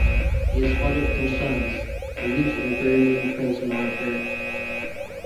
He is father of two sons and lives in Berlin-Prenzlauer Berg.